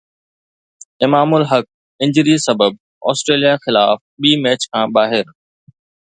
امام الحق انجری سبب آسٽريليا خلاف ٻي ٽيسٽ ميچ کان ٻاهر